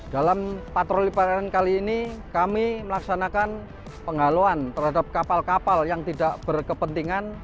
dalam patroli peralihan kali ini kami melaksanakan penghalauan terhadap kapal kapal yang tidak berkepentingan